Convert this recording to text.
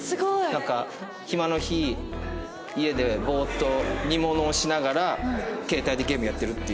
なんか暇の日家でボーッと煮物をしながら携帯でゲームやってるっていう